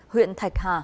huyện thạch hà